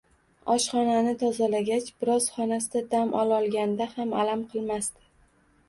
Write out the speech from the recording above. Oshxonani tozalagach, biroz xonasida dam ololganda ham alam qilmasdi